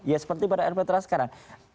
ya seperti pada rptra sekarang